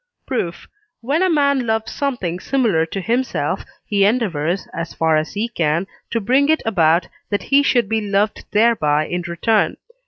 Proof. When a man loves something similar to himself, he endeavours, as far as he can, to bring it about that he should be loved thereby in return (III.